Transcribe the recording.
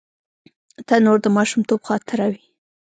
تنور د ماشومتوب خاطره وي